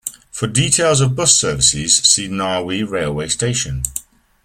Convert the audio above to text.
For details of bus services see Narwee railway station.